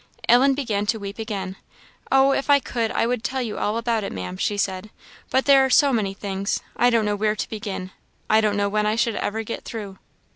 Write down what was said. Ellen began to weep again. "Oh, if I could, I would tell you all about it, Maam," she said; "but there are so many things I don't know where to begin I don't know when I should ever get through."